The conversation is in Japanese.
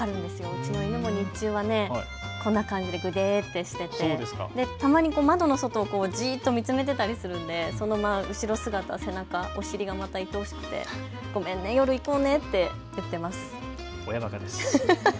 うちの犬も日中はこんな感じでぐでっとしていてたまに窓の外をじっと見つめていたりするので、その後ろ姿、背中、お尻がまたいとおしくてごめんね、夜行こうねと言っています。